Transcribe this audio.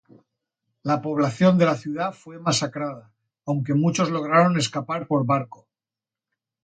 La población de la ciudad fue masacrada, aunque muchos lograron escapar por barco.